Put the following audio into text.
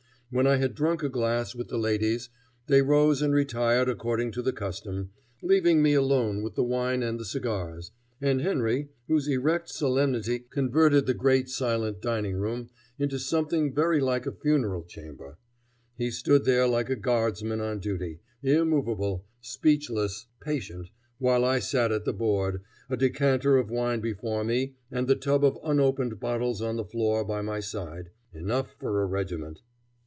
When I had drunk a glass with the ladies, they rose and retired according to the custom, leaving me alone with the wine and the cigars, and Henry, whose erect solemnity converted the great silent dining room into something very like a funeral chamber. He stood there like a guardsman on duty, immovable, speechless, patient, while I sat at the board, a decanter of wine before me and the tub of unopened bottles on the floor by my side enough for a regiment.